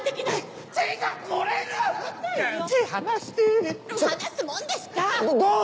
離すもんですか！